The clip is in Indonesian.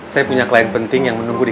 saya punya klien penting yang menunggu di